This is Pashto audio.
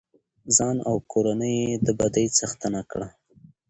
ځان او کورنۍ يې د بدۍ څښتنه کړه.